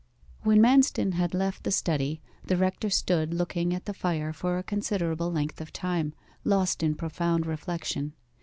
When Manston had left the study, the rector stood looking at the fire for a considerable length of time, lost in profound reflection.